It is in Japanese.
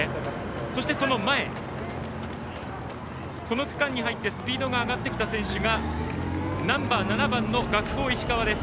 そして、その前この区間に入ってスピードが上がってきた選手がナンバー７番の学法石川です。